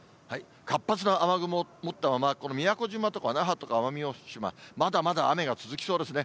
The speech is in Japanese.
活発な雨雲を持ったまま、宮古島とか那覇とか奄美大島、まだまだ雨が続きそうですね。